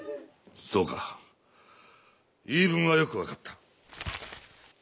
そうか言い分はよく分かった。